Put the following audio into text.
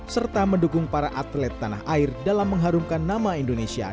serta mendukung para atlet tanah air dalam mengharumkan nama indonesia